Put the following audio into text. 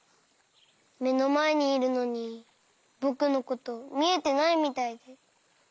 めのまえにいるのにぼくのことみえてないみたいで。